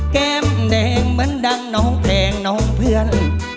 แก้มแดงเหมือนดังน้องแพงน้องเพื่อน